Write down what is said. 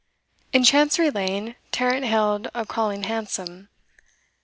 In Chancery Lane, Tarrant hailed a crawling hansom.